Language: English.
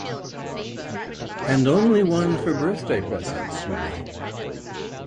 And only one for birthday presents, you know.